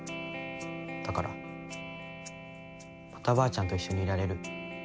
だからまたばあちゃんと一緒にいられる。